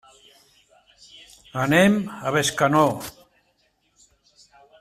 Anem a Bescanó.